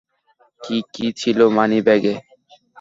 কী কী ছিলো মানিব্যাগে?